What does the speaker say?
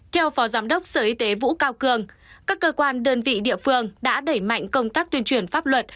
theo phó giám đốc sở y tế vũ cao cường các cơ quan đơn vị địa phương đã đẩy mạnh công tác tuyên truyền pháp luật